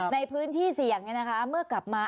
ในพื้นที่สิอย่างนี้นะคะเมื่อกลับมา